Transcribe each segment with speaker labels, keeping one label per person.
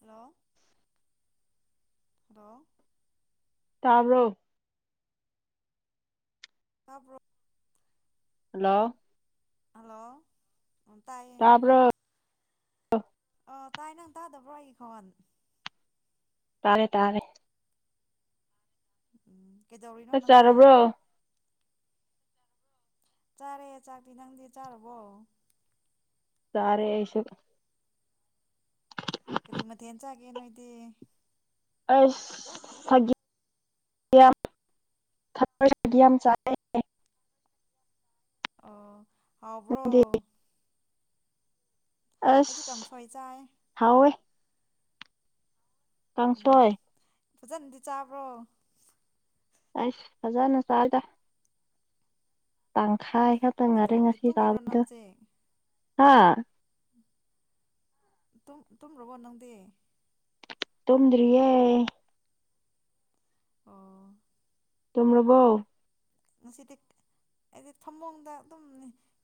Speaker 1: hello ꯗꯣ
Speaker 2: ꯇꯥꯔꯣ
Speaker 1: ꯍꯥꯕ꯭ꯔꯣ
Speaker 2: ꯍꯜꯂꯣ
Speaker 1: ꯍꯜꯂꯣ ꯇꯥꯏꯌꯦ
Speaker 2: ꯇꯥꯕ꯭ꯔꯣ
Speaker 1: ꯑ ꯇꯥꯏ ꯅꯪ ꯇꯥꯗꯕ꯭ꯔꯣ ꯑꯩꯒꯤ ꯈꯪꯋꯥꯜ
Speaker 2: ꯇꯥꯔꯦ ꯇꯥꯔꯦ
Speaker 1: ꯎꯝ ꯀꯩꯗꯧꯔꯤꯅꯣ
Speaker 2: ꯆꯥꯛ
Speaker 1: ꯅꯪꯗꯤ
Speaker 2: ꯆꯥꯔꯕ꯭ꯔꯣ
Speaker 1: ꯆꯥꯔꯦ ꯆꯥꯛꯇꯤ ꯅꯪꯗꯤ ꯆꯥꯔꯕꯣ
Speaker 2: ꯁꯔꯦꯁꯨ
Speaker 1: ꯀꯔꯤ ꯃꯊꯦꯜ ꯆꯥꯒꯦ ꯅꯣꯏꯗꯤ
Speaker 2: ꯑꯩꯁ [inaudible]
Speaker 1: ꯍꯥꯥꯎꯕ꯭ꯔꯣ
Speaker 2: ꯑꯁ
Speaker 1: ꯆꯥꯏ
Speaker 2: ꯍꯦ
Speaker 1: ꯎꯝ
Speaker 2: ꯀꯥꯡꯁꯣꯏ
Speaker 1: ꯐꯖꯅꯗꯤ ꯆꯥꯕ꯭ꯔꯣ
Speaker 2: ꯑꯁ ꯐꯖꯅ ꯁꯥꯢꯗ ꯇꯪ ꯍꯥꯏ ꯈꯛꯇ ꯉꯥꯔꯦ
Speaker 1: ꯀꯩꯗꯧꯒꯦ
Speaker 2: ꯉꯁꯤ
Speaker 1: ꯇꯨꯝꯃꯤꯔꯣ ꯅꯪ
Speaker 2: ꯁꯥꯕꯗꯨ
Speaker 1: ꯍꯧꯖꯤꯛ
Speaker 2: ꯍꯥꯥ
Speaker 1: ꯇꯨꯝ ꯇꯨꯝꯔꯣꯕꯣ ꯅꯪꯗꯤ
Speaker 2: ꯇꯨꯝꯗ꯭ꯔꯤꯌꯦ
Speaker 1: ꯑꯣ
Speaker 2: ꯇꯨꯝꯔꯕꯣ
Speaker 1: ꯉꯁꯤꯗꯤ ꯑꯩꯗꯤ ꯐꯃꯣꯡꯗ ꯑꯗꯨꯝ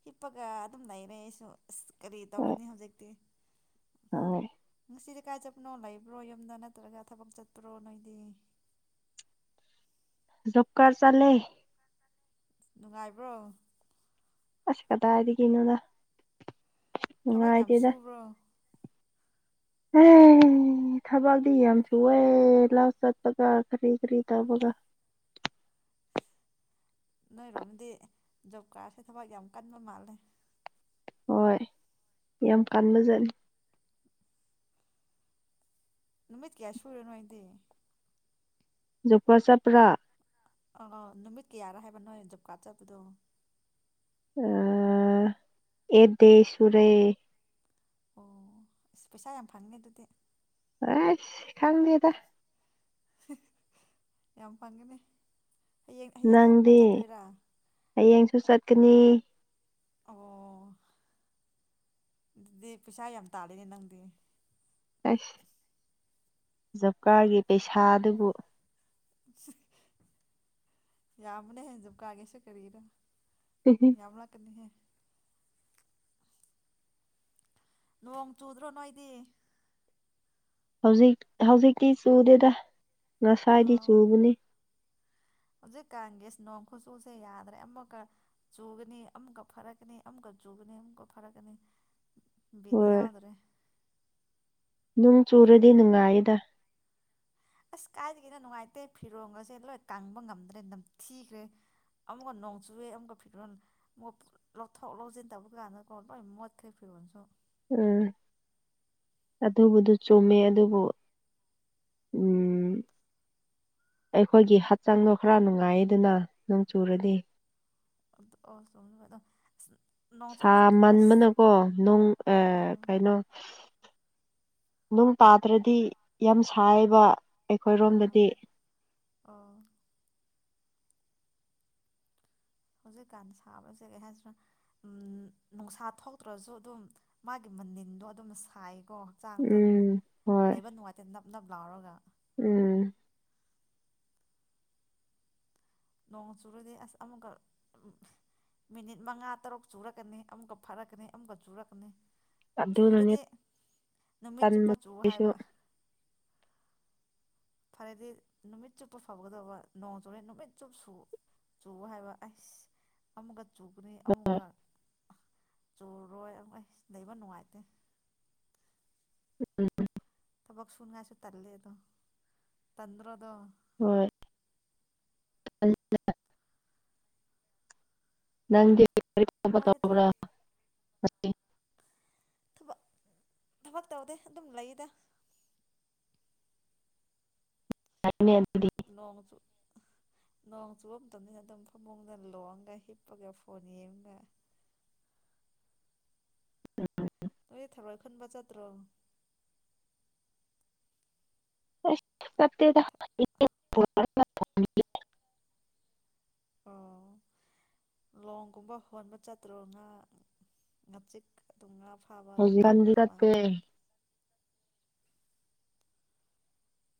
Speaker 1: ꯍꯤꯞꯄꯒ ꯑꯗꯨꯝ ꯂꯩꯔꯦ ꯑꯩꯁꯨ ꯑꯁ ꯀꯔꯤ ꯇꯧꯔꯅꯤ ꯍꯧꯖꯤꯛꯇꯤ
Speaker 2: ꯍꯣꯢ
Speaker 1: ꯪꯉꯁꯤꯗꯤ ꯀꯥꯏ ꯆꯠꯄꯅꯣ ꯂꯩꯕ꯭ꯔꯣ ꯌꯨꯝꯗ ꯅꯠꯇ꯭ꯔꯒ ꯊꯕꯛ ꯆꯠꯄ꯭ꯔꯣ ꯅꯣꯏꯗꯤ
Speaker 2: ꯖꯣꯕꯀꯔ ꯆꯠꯂꯦ
Speaker 1: ꯅꯨꯡꯉꯥꯏꯕ꯭ꯔꯣ
Speaker 2: ꯑꯁ ꯀꯗꯥꯢꯗꯒꯤꯅꯣꯗ
Speaker 1: ꯊꯕꯛ ꯌꯥꯝ ꯁꯨꯕ꯭ꯔꯣ
Speaker 2: ꯑꯦ ꯊꯕꯛꯗꯤ ꯌꯥꯝ ꯁꯨꯋꯦ ꯂꯧ ꯆꯠꯄꯒ ꯀꯔꯤ ꯀꯔꯤ ꯇꯧꯕꯒ
Speaker 1: ꯅꯣꯏꯔꯣꯝꯗꯤ ꯖꯣꯕ ꯀꯥꯔꯁꯦ ꯊꯕꯛ ꯌꯥꯝ ꯀꯟꯕ ꯃꯥꯜꯂꯦ
Speaker 2: ꯍꯣꯏ ꯌꯥꯝ ꯀꯟꯕꯖꯥꯠꯅꯤ
Speaker 1: ꯅꯨꯃꯤꯠ ꯀꯌꯥ ꯁꯨꯔꯦ ꯅꯣꯢꯗꯤ
Speaker 2: ꯖꯣꯕꯀꯥꯔ ꯆꯠꯄ꯭ꯔꯥ
Speaker 1: ꯑꯑꯥ ꯅꯨꯃꯤꯠ ꯀꯌꯥꯔ ꯍꯥꯏꯕ ꯅꯣꯏ ꯖꯣꯕ ꯀꯥꯠ ꯆꯠꯄꯗꯣ
Speaker 2: ꯑꯦ ꯑꯦꯠꯗꯦ ꯁꯨꯔꯦ
Speaker 1: ꯑꯣ ꯑꯁ ꯄꯩꯁꯥ ꯌꯥꯝ ꯐꯪꯅꯤ ꯗꯨꯗꯤ
Speaker 2: ꯑꯁ ꯈꯪꯗꯦꯗ
Speaker 1: ꯌꯥꯝ ꯐꯪꯒꯅꯤ ꯍꯌꯦꯡ ꯍꯌꯦꯡꯁꯨ ꯑꯃꯨꯛꯀ
Speaker 2: ꯅꯪꯗꯤ
Speaker 1: ꯆꯠꯇꯣꯏꯔꯥ
Speaker 2: ꯍꯌꯦꯡꯁꯨ ꯆꯠꯀꯅꯤ
Speaker 1: ꯑꯣ ꯑꯗꯨꯗꯤ ꯄꯩꯁꯥ ꯌꯥꯝ ꯇꯥꯜꯂꯦꯅꯦ ꯅꯪꯗꯤ
Speaker 2: ꯑꯁ ꯖꯣꯕꯀꯥꯔꯒꯤ ꯄꯩꯁꯥ ꯑꯗꯨꯕꯨ
Speaker 1: ꯌꯥꯝꯕꯅꯦꯍꯦ ꯖꯣꯕꯀꯥꯔꯒꯤꯁꯨ ꯀꯔꯤꯔ ꯌꯥꯝꯂꯛꯀꯅꯤꯍꯦ ꯅꯣꯡ ꯆꯨꯗ꯭ꯔꯣ ꯅꯣꯏꯗꯤ
Speaker 2: ꯍꯧꯖꯤꯛ ꯍꯧꯖꯤꯛꯇꯤ ꯆꯨꯗꯦꯗ ꯉꯁꯥꯏꯗꯤ ꯆꯨꯕꯅꯤ
Speaker 1: ꯍꯨꯖꯤꯛꯀꯥꯟꯒꯦꯁ ꯅꯣꯡ ꯈꯨꯠꯆꯨꯁꯦ ꯌꯥꯗ꯭ꯔꯦ ꯑꯃꯛꯀ ꯆꯨꯒꯅꯤ ꯑꯃꯛꯒ ꯐꯔꯛꯀꯅꯤ ꯑꯃꯨꯛꯀ ꯆꯨꯒꯅꯤ ꯑꯃꯨꯛꯀ ꯐꯔꯛꯀꯅꯤ ꯕꯤꯠ
Speaker 2: ꯍꯣꯏ
Speaker 1: ꯌꯥꯎꯗꯔꯦ
Speaker 2: ꯅꯨꯡ ꯆꯨꯔꯗꯤ ꯅꯨꯡꯉꯥꯏꯌꯦꯗ
Speaker 1: ꯑꯁ ꯀꯥꯏꯗꯒꯤꯅꯣ ꯅꯨꯡꯉꯥꯏꯇꯦ ꯐꯤꯔꯣꯡꯒꯁꯦ ꯂꯣꯏꯠ ꯀꯪꯕ ꯉꯝꯗ꯭ꯔꯦ ꯅꯝꯊꯤꯈ꯭ꯔꯦ ꯑꯃꯨꯛꯀ ꯅꯣꯡ ꯆꯨꯋꯦ ꯑꯃꯨꯛꯀ ꯐꯤꯔꯣꯜ ꯃꯨꯛ ꯂꯧꯊꯣꯛ ꯂꯧꯖꯤꯟ ꯇꯧꯕ ꯀꯥꯟꯗꯀꯣ ꯂꯣꯏ ꯃꯣꯠꯈ꯭ꯔꯦ ꯐꯤꯔꯣꯜꯁꯨ
Speaker 2: ꯎꯝ ꯑꯗꯨꯕꯨꯗꯨ ꯆꯨꯝꯃꯦ ꯑꯗꯨꯕꯨ ꯎꯝ ꯑꯩꯈꯣꯏꯒꯤ ꯍꯛꯆꯥꯡꯗꯣ ꯈꯔ ꯅꯨꯡꯉꯥꯏꯌꯦꯗꯅ ꯅꯣꯡ ꯆꯨꯔꯗꯤ
Speaker 1: [unintelligible]
Speaker 2: ꯁꯥ
Speaker 1: ꯆꯨꯞꯃꯟꯗꯀꯣ ꯑꯁ
Speaker 2: ꯃꯟꯕꯅꯀꯣ ꯅꯣꯡ ꯑꯥ ꯀꯩꯅꯣ ꯅꯨꯡ ꯇꯥꯗ꯭ꯔꯗꯤ ꯌꯥꯝ ꯁꯥꯏꯕ
Speaker 1: ꯑꯥ
Speaker 2: ꯑꯩꯈꯣꯏꯔꯣꯝꯗꯗꯤ
Speaker 1: ꯑꯥ ꯍꯧꯖꯤꯛꯀꯥꯟ ꯁꯥꯕꯁꯦ ꯀꯩ ꯍꯥꯏꯁꯤꯅ ꯅꯨꯡꯁꯥ ꯊꯣꯛꯇ꯭ꯔꯁꯨ ꯑꯗꯨꯝ ꯃꯥꯒꯤ ꯃꯅꯤꯟꯗꯣ ꯑꯗꯨꯝ ꯁꯥꯏ ꯀꯣ ꯍꯛꯆꯥꯡꯗ
Speaker 2: ꯎꯝ ꯍꯣꯏ
Speaker 1: ꯂꯩꯕ ꯅꯨꯡꯉꯥꯏꯇꯦ ꯅꯞꯅꯕ ꯂꯥꯥꯎꯔꯒ
Speaker 2: ꯎꯝ
Speaker 1: ꯅꯣꯡ ꯆꯨꯔꯗꯤ ꯑꯁ ꯑꯃꯨꯛꯀ ꯃꯤꯅꯤꯠ ꯃꯉꯥ ꯇꯔꯨꯛ ꯆꯨꯔꯛꯀꯅꯤ ꯑꯃꯨꯛꯀ ꯐꯥꯔꯛꯀꯅꯤ ꯑꯃꯨꯛꯀ ꯆꯨꯔꯛꯀꯅꯤ
Speaker 2: ꯑꯗꯨꯅꯅꯦ
Speaker 1: ꯆꯨꯔꯗꯤ ꯅꯨꯃꯤꯠ ꯆꯨꯞꯄ
Speaker 2: ꯇꯟꯕ
Speaker 1: ꯆꯨ
Speaker 2: ꯑꯩꯁꯨ
Speaker 1: ꯍꯥꯏꯕ ꯐꯔꯦꯗꯤ ꯅꯨꯃꯤꯠ ꯆꯨꯞꯄ ꯐꯒꯗꯧꯕ ꯅꯣꯡ ꯆꯨꯦ ꯅꯨꯃꯤꯠ ꯆꯨꯞ ꯆꯨꯕ ꯍꯥꯏꯕ ꯑꯩꯁ ꯑꯃꯨꯛꯀ ꯆꯨꯒꯅꯤ ꯑꯃꯨꯛꯀ ꯆꯨꯔꯣꯏ ꯑꯩ ꯂꯩꯕ ꯅꯨꯡꯉꯥꯏꯇꯦ
Speaker 2: ꯎꯝ
Speaker 1: ꯇꯕꯣꯛ ꯁꯟ ꯉꯁꯨ ꯇꯂꯦꯗ ꯄꯟꯗ꯭ꯔꯣꯗ
Speaker 2: ꯍꯣꯏ ꯅꯗ
Speaker 1: ꯅꯣꯏꯗꯤ
Speaker 2: ꯔꯤꯇꯥꯕꯔꯥ
Speaker 1: ꯕ ꯊꯕꯛ ꯇꯧꯗꯦ ꯑꯗꯨꯝ ꯂꯩꯗ
Speaker 2: ꯑꯗꯨꯗꯤ
Speaker 1: [unintelligible] ꯃꯇꯝꯅꯤꯅꯤꯅ ꯑꯗꯨꯝ ꯐꯃꯨꯡꯗ ꯂꯣꯡꯑꯒ ꯍꯤꯞꯄꯒ ꯐꯣꯟ ꯌꯦꯡꯒ ꯅ ꯊꯔꯣꯏ ꯈꯟꯕ ꯆꯠꯇ꯭ꯔꯣ
Speaker 2: [unintelligible]
Speaker 1: ꯑꯣ ꯂꯣꯡꯒꯨꯝꯕ ꯍꯣꯟꯕ ꯆꯠꯇ꯭ꯔꯣ ꯉꯥ ꯉꯥꯆꯤꯛ ꯑꯗꯨꯝ ꯉꯥ
Speaker 2: ꯍꯧꯖꯤ
Speaker 1: ꯐꯥꯕꯒꯨꯝꯕ ꯈꯣꯠꯄ
Speaker 2: ꯆꯠꯄꯦ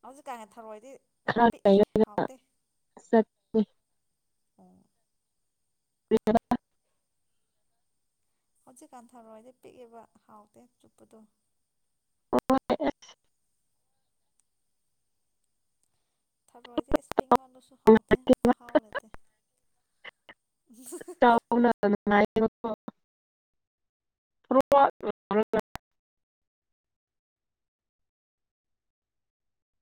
Speaker 1: ꯍꯧꯖꯤꯛ ꯀꯥꯟꯉꯦ ꯊꯔꯋꯥꯣꯏ
Speaker 2: ꯈꯥ
Speaker 1: ꯎꯝ
Speaker 2: [unintelligible]
Speaker 1: ꯍꯧꯖꯤꯛꯀꯥꯟ ꯊꯔꯣꯏꯗꯤ ꯄꯤꯛꯑꯦꯕ ꯍꯥꯎꯇꯦ ꯆꯨꯞꯄꯗꯣ
Speaker 2: ꯑꯣ
Speaker 1: ꯊꯕ ꯏꯁ ꯄꯗꯁꯨꯨꯈ ꯃꯍꯈ ꯂꯩꯇ
Speaker 2: ꯊ꯭ꯔ